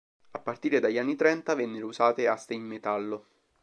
A partire dagli anni trenta vennero usate aste in metallo.